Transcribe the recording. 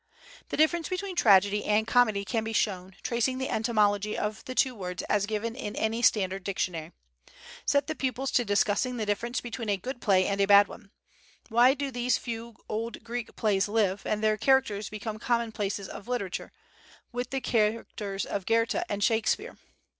The difference between tragedy and comedy can be shown, tracing the etymology of the two words as given in any standard dictionary. Set the pupils to discussing the difference between a good play and a bad one. Why do these few old Greek plays live, and their characters become commonplaces of literature, with the characters of Goethe and Shakespeare?